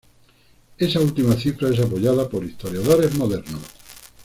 Esa última cifra es apoyada por historiadores modernos.